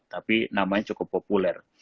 tapi namanya cukup populer